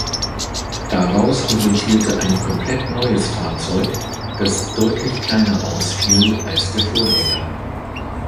Daraus resultierte ein komplett neues Fahrzeug, das deutlich kleiner ausfiel als der Vorgänger.